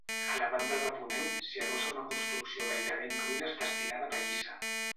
A la banda de ponent s'hi adossa una construcció gairebé en ruïnes destinada a pallissa.